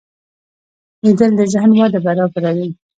لیدل د ذهن وده برابروي